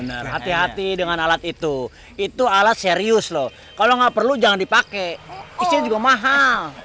benar hati hati dengan alat itu itu alat serius loh kalau nggak perlu jangan dipakai isinya juga mahal